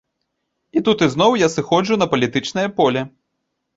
І тут ізноў я сыходжу на палітычнае поле.